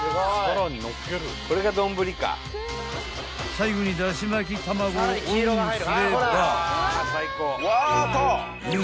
［最後にだし巻き卵をオンすれば］